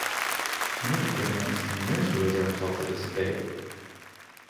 It would have taken at least ten years for those aerosols to dissipate.